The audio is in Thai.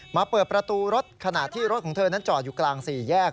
เปิดประตูรถขณะที่รถของเธอนั้นจอดอยู่กลางสี่แยก